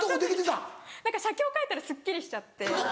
何か写経書いたらすっきりしちゃって。